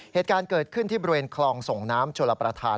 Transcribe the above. เหตุการณ์เกิดขึ้นที่บริเวณคลองส่งน้ำชลประธาน